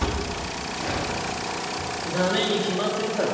ダメに決まってるだろ。